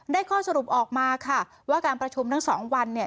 ข้อสรุปออกมาค่ะว่าการประชุมทั้งสองวันเนี่ย